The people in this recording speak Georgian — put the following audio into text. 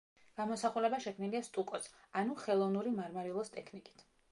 გამოსახულება შექმნილია სტუკოს, ანუ ხელოვნური მარმარილოს ტექნიკით.